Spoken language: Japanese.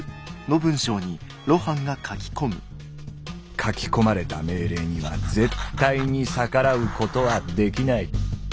書き込まれた命令には絶対に逆らうことはできない。